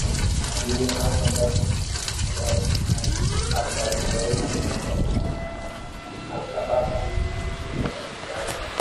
zilizonaswa ambazo ni bunduki aina ya aka arubaini na sababa na mamia ya risasi